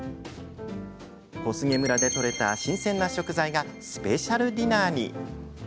小菅村で取れた新鮮な食材がスペシャルディナーに。